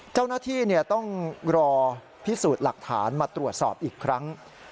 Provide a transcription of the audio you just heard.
เจ้าหน้าที่ต้องรอพิสูจน์หลักฐานมาตรวจสอบอีกครั้ง